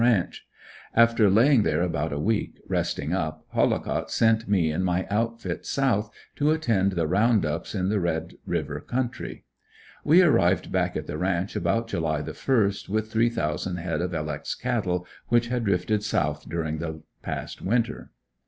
ranch. After laying there about a week, resting up, Hollicott sent me and my outfit south to attend the round ups in the Red River country. We arrived back at the ranch about July the first, with three thousand head of "L. X." cattle which had drifted south during the past winter.